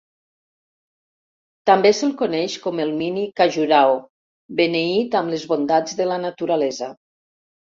També se'l coneix com el "Mini Khajuraho" beneït amb les bondats de la naturalesa.